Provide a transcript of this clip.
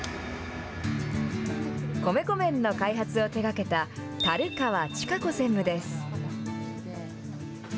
米粉麺の開発を手がけた樽川千香子専務です。